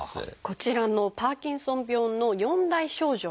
こちらのパーキンソン病の４大症状。